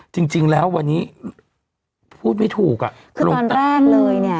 จริงจริงแล้ววันนี้พูดไม่ถูกอ่ะคือตอนแรกเลยเนี่ย